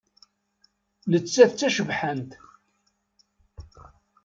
Nettat d tacebḥant.